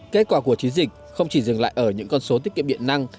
kết quả của chiến dịch không chỉ dừng lại ở những con số tiết kiệm điện năng